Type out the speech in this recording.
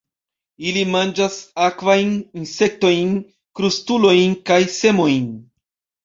Ili manĝas akvajn insektojn, krustulojn kaj semojn.